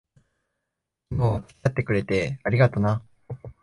昨日は付き合ってくれて、ありがとな。